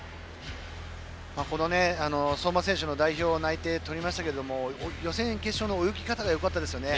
この相馬選手も代表内定をとりましたけど予選、決勝の泳ぎ方がよかったですよね。